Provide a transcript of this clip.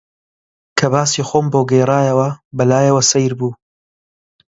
کە باسی خۆم بۆ گێڕایەوە، بە لایەوە سەیر بوو